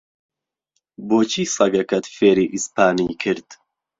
بۆچی سەگەکەت فێری ئیسپانی کرد؟